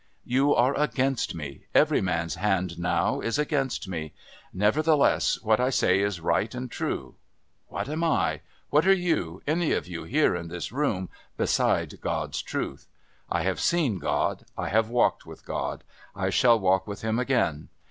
"You are against me. Every man's hand now is against me. Nevertheless what I say is right and true. What am I? What are you, any of you here in this room, beside God's truth? I have seen God, I have walked with God, I shall walk with Him again.